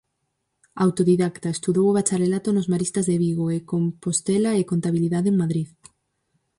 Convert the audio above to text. Autodidacta, estudou o bacharelato nos Maristas de Vigo e Compostela e contabilidade en Madrid.